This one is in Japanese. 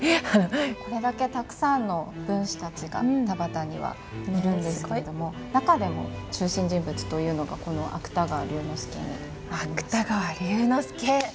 これだけたくさんの文士たちが田端にはいるんですけれども中でも中心人物というのがこの芥川龍之介になります。